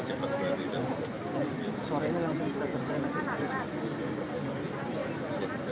tapi kita berhubung